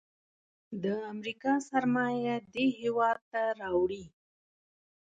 د امریکا سرمایه دې هیواد ته راوړي.